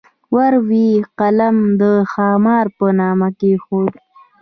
ور وې قلم د خامار په نامه کېښود.